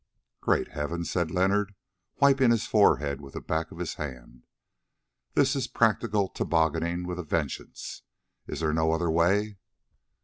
"Great heavens!" said Leonard, wiping his forehead with the back of his hand, "this is practical tobogganing with a vengeance. Is there no other way?"